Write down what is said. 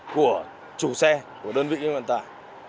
của chủ xe của đơn vị kinh doanh tài